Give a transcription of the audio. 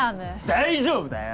大丈夫だよ